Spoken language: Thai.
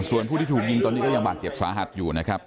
ส่วนผู้ที่ถูกยิงตอนนี้ก็ยังบาดเจ็บสาหัสอยู่นะครับ